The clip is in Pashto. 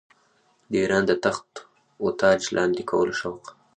د اېران د تخت و تاج لاندي کولو شوق.